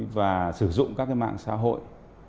và sử dụng các mạng xã hội